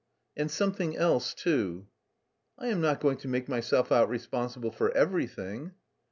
"And something else too." "I am not going to make myself out responsible for everything."